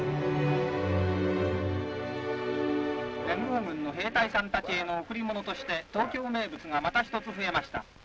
「連合軍の兵隊さんたちへの贈り物として東京名物がまた一つ増えました。